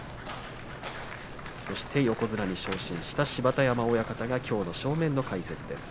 そして横綱に昇進した芝田山親方がきょうの正面の解説です。